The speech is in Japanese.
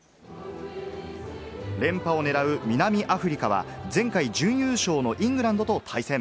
連覇を狙う南アフリカは前回準優勝のイングランドと対戦。